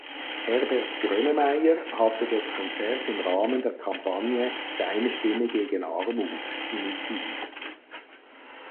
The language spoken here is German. Herbert Grönemeyer hatte das Konzert im Rahmen der Kampagne Deine Stimme gegen Armut initiiert.